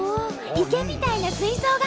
池みたいな水槽が！